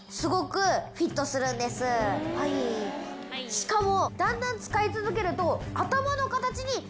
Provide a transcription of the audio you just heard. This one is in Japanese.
しかも。